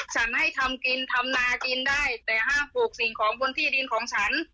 ฉันให้ทำกินทำนากินได้แต่ห้ามปลูกสิ่งของบนที่ดินของฉัน